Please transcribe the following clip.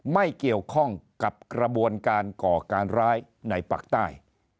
ไม่เกี่ยวข้องกับกระบวนการก่อการร้าย